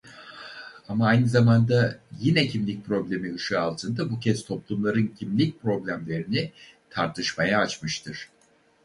Ama aynı zamanda yine kimlik problemi ışığı altında bu kez toplumların kimlik problemlerini tartışmaya açmıştır.